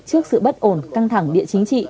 trước sự bất ổn căng thẳng địa chính trị